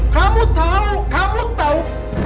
kamu tahu kamu tahu